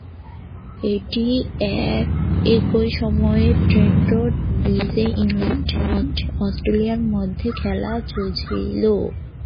তবে, একই সময়ে ট্রেন্ট ব্রিজে ইংল্যান্ড-অস্ট্রেলিয়ার মধ্যকার খেলা চলছিল।